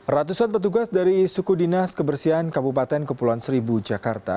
ratusan petugas dari suku dinas kebersihan kabupaten kepulauan seribu jakarta